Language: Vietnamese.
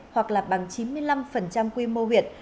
hoặc là bằng chín mươi năm quy mô huyệt